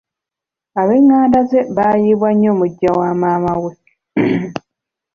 Ab'enganda ze baayiibwa nnyo muggya wa maama we.